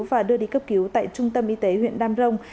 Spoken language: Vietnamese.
và đưa đi cấp cứu tại trung tâm y tế huyện đam rồng